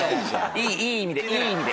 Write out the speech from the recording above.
いい意味でいい意味で。